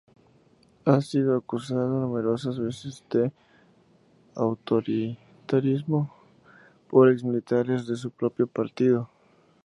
Ha sido acusada numerosas veces de autoritarismo por exmilitantes de su propio partido.